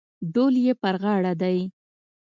ډول یې پر غاړه دی.